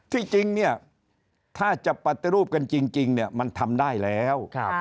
ที่จริงเนี่ยถ้าจะปฏิรูปกันจริงมันทำได้แล้ว